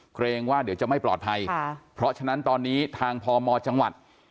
เกรงว่าเดี๋ยวจะไม่ปลอดภัยค่ะเพราะฉะนั้นตอนนี้ทางพมจังหวัด